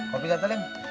kopi datang lim